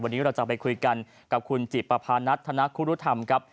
วันนี้เราจะไปคุยกันกับคุณจิปภานัทธนคุรุธรรมครับ